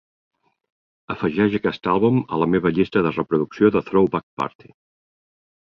afegeix aquest àlbum a la meva llista de reproducció de Throwback Party